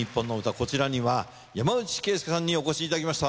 こちらには山内恵介さんにお越しいただきました。